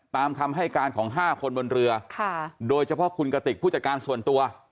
ตามคำให้การของ๕คนบนเรือโดยเฉพาะคุณกติกผู้จัดการส่วนตัว